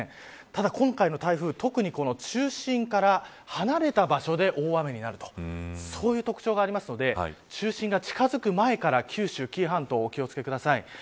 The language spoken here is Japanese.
ただ、今回の台風は特に中心から離れた場所で大雨になるとそういう特徴があるので中心が近づく前から九州や紀伊半島、お気を付けください。